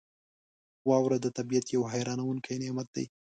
• واوره د طبعیت یو حیرانونکی نعمت دی.